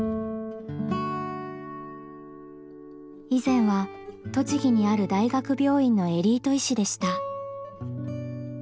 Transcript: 以前は栃木にある大学病院のエリート医師でした。